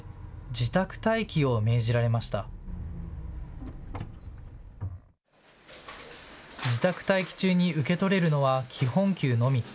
自宅待機中に受け取れるのは基本給のみ。